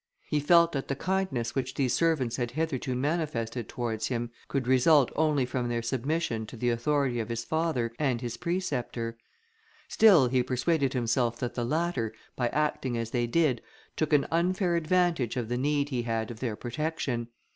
He felt that the kindness which these servants had hitherto manifested towards him, could result only from their submission to the authority of his father and his preceptor; still he persuaded himself that the latter, by acting as they did, took an unfair advantage of the need he had of their protection.